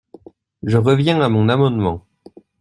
Je reviens à mon amendement.